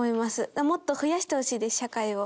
もっと増やしてほしいです社会を。